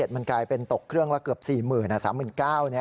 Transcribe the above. มันกลายเป็นตกเครื่องละเกือบ๔๐๐๐๓๙๐๐บาท